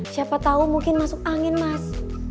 siapa tahu mungkin masuk angin mas